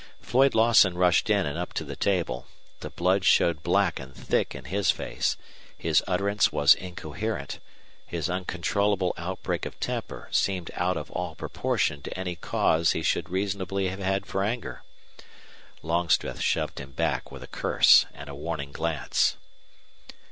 Floyd Lawson rushed in and up to the table. The blood showed black and thick in his face; his utterance was incoherent, his uncontrollable outbreak of temper seemed out of all proportion to any cause he should reasonably have had for anger. Longstreth shoved him back with a curse and a warning glare.